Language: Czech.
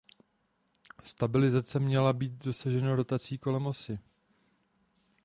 Stabilizace měla být dosaženo rotací kolem osy.